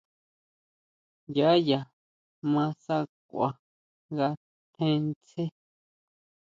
Yá ya ma sakʼua nga tjen sʼe.